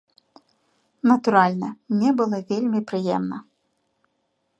Натуральна, мне было вельмі прыемна.